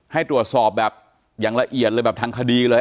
ให้ตรวจสอบแบบอย่างละเอียดเลยแบบทางคดีเลย